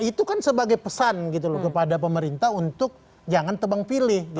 itu kan sebagai pesan gitu loh kepada pemerintah untuk jangan tebang pilih